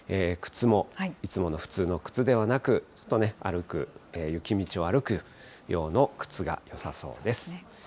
靴もいつもの普通の靴ではなく、ちょっとね、歩く、雪道を歩く用の靴がよさそうです。